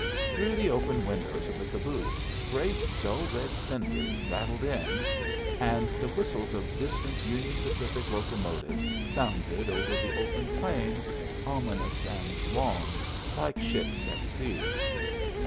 Through the open windows of the caboose great dull red cinders rattled in, and the whistles of distant Union Pacific locomotives sounded over the open plains ominous and long, like ships at sea.